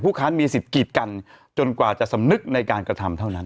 ก็ต้องการมีสิทธิ์จนกว่าจะสำนึกในการกระทำเท่านั้น